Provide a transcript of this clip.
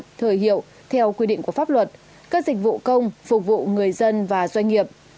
các thời hiệu theo quy định của pháp luật các dịch vụ công phục vụ người dân và doanh nghiệp